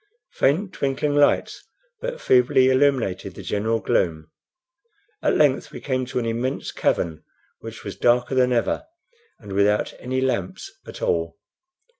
Faint, twinkling lights but feebly illuminated the general gloom. At length we came to an immense cavern, which was darker than ever, and without any lamps at all.